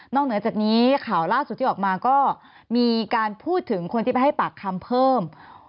เหนือจากนี้ข่าวล่าสุดที่ออกมาก็มีการพูดถึงคนที่ไปให้ปากคำเพิ่ม